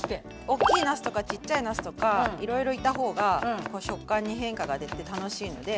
大きいなすとかちっちゃいなすとかいろいろいた方が食感に変化が出て楽しいので。